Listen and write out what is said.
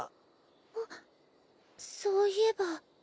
あっそういえば。